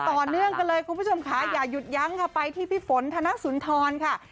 ต่อเนื่องกันเลยคุณผู้ชมค่ะอย่าหยุดยั้งค่ะไปที่พี่ฝนธนสุนทรค่ะ